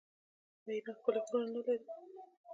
آیا ایران ښکلي غرونه نلري؟